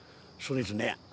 そうですね。